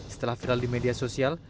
setelah viral di media sosial